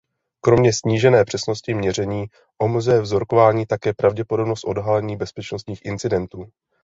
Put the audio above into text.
Kromě snížené přesnosti měření omezuje vzorkování také pravděpodobnost odhalení bezpečnostních incidentů.